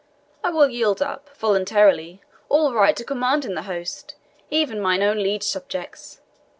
I will yield up, voluntarily, all right to command in the host even mine own liege subjects.